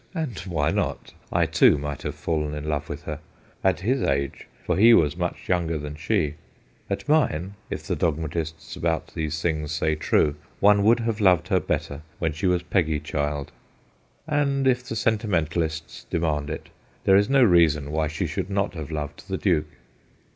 And why not ? I, too, might have fallen in love with her at his age, for he was much younger than she : at mine, if the dogmatists about these things say true, one would have loved her better when she was ( Peggy child/ And if the sentimentalists demand it, there TWO WORLDS 219 is no reason why she should not have loved the duke.